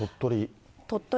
鳥取。